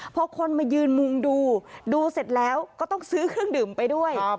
พอคนมายืนมุงดูดูเสร็จแล้วก็ต้องซื้อเครื่องดื่มไปด้วย